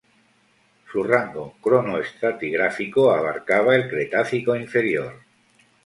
Su rango cronoestratigráfico abarcaba el Cretácico inferior.